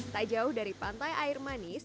tak jauh dari pantai air manis